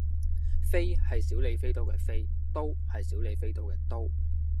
飛係小李飛刀嘅飛，刀係小李飛刀嘅刀